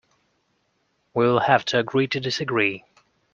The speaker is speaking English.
We will have to agree to disagree